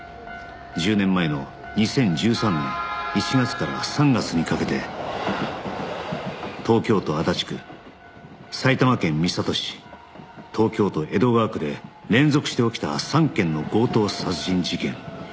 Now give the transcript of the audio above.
１０年前の２０１３年１月から３月にかけて東京都足立区埼玉県三郷市東京都江戸川区で連続して起きた３件の強盗殺人事件